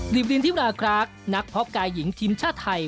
ดิบรินทิวราคลากนักพ็อปกายหญิงทิมชาไทย